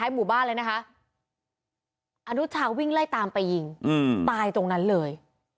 หมู่บ้านเลยนะคะอนุชาวิ่งไล่ตามไปยิงตายตรงนั้นเลย